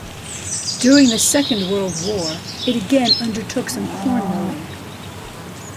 During the Second World War it again undertook some corn milling.